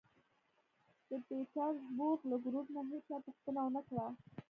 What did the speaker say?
د پېټرزبورګ له ګروپ نه هېچا پوښتنه و نه کړه